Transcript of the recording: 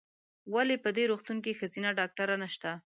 ولې په دي روغتون کې ښځېنه ډاکټره نشته ؟